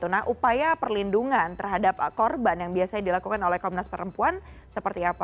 nah upaya perlindungan terhadap korban yang biasanya dilakukan oleh komnas perempuan seperti apa